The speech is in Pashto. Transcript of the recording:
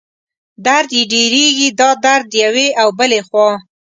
درد یې ډېرېږي، دا درد یوې او بلې خوا